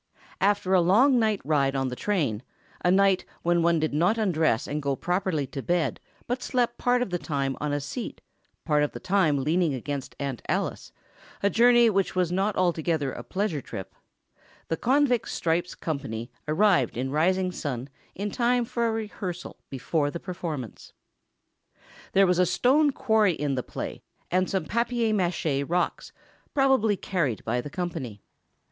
After a long night ride on the train—a night when one did not undress and go properly to bed, but slept part of the time on a seat, part of the time leaning against Aunt Alice—a journey which was not altogether a pleasure trip—the "Convict Stripes" Company arrived at Risingsun in time for a rehearsal before the performance. There was a stone quarry in the play, and some papier maché rocks, probably carried by the company.